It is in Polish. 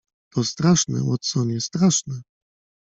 "To straszne, Watsonie, straszne!..."